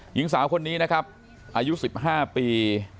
หญิงสาวคนนี้นะครับอายุ๑๕ปี